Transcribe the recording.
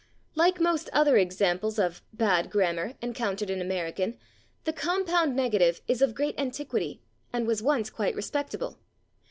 Like most other examples of "bad grammar" encountered in American the compound negative is of great antiquity and was once quite respectable.